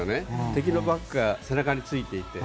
敵のバックが背中についていて。